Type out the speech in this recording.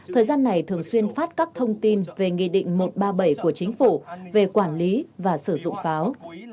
thời gian này thường xuyên phát các thông tin về nghị định một trăm ba mươi bảy của chính phủ về quản lý và sử dụng pháo